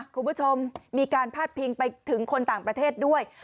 คุณผู้ชมมีการพาดพิงไปถึงคนต่างประเทศด้วย